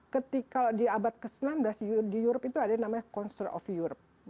ketika di abad ke sembilan belas di europe itu ada yang namanya concert of europe